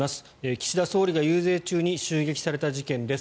岸田総理が遊説中に襲撃された事件です。